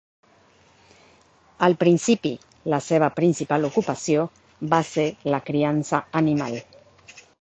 Al principi, la seva principal ocupació va ser la criança animal.